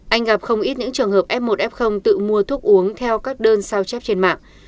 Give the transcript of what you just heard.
anh gặp không ít những trường hợp f một f tự mua thuốc uống theo các đơn sao chép trên mạng